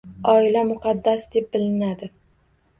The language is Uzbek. Oila muqaddas deb bilinadi.